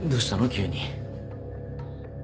急に。